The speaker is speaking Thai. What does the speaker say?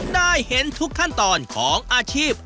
ได้เห็นทุกขั้นตอนของอาชีพ